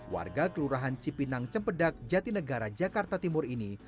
warga kelurahan cipinang cempedak jatinegara jakarta timur ini